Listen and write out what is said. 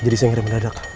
jadi saya ngirim mendadak